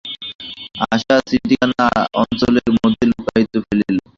আশা চিঠিখানা অঞ্চলের মধ্যে লুকাইয়া ফেলিল।